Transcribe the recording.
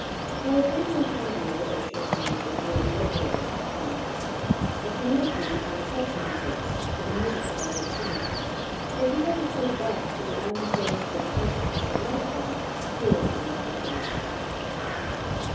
While agreeing with Von Bülow that Chopin was the great liberator of the pianoforte, I cannot agree with the exception he takes to the music of Robert Schumann. If he had referred back to the unpianistic classical sonata form, he would have been more accurate.